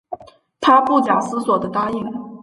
她不假思索的答应